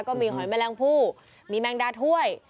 ก็มีหอยแมลงผู้มีแมงดาถ้วย